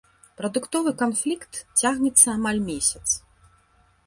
Прадуктовы канфлікт цягнецца амаль месяц.